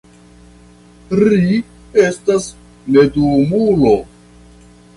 Ri estas neduumulo.